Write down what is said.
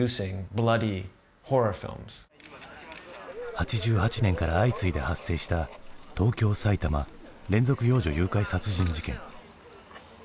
８８年から相次いで発生した東京・埼玉連続幼女誘拐殺人事件。